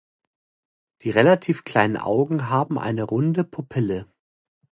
Die relativ kleinen Augen haben eine runde Pupille.